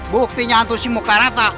buktinya hantu si muka rata